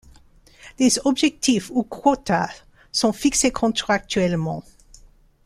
Les objectifs ou quotas sont fixés contractuellement.